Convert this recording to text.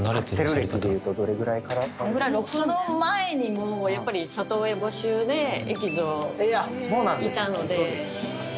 その前にもやっぱり里親募集でエキゾいたので。